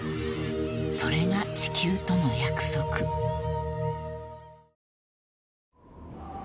［それが地球との約束］きたきた！